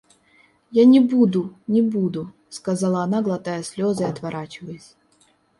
Я не буду, не буду, — сказала она, глотая слезы и отворачиваясь.